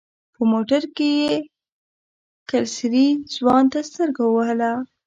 په موټر کې يې کلسري ځوان ته سترګه ووهله.